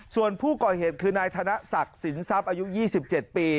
ส่วนผู้ก่อเหตุคือนายธนศักดิ์สินทรัพย์อายุ๒๗ปี